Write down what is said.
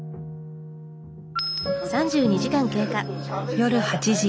夜８時。